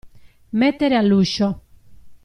Mettere all'uscio.